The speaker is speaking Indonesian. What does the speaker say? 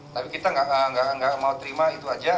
tapi kita nggak mau terima itu aja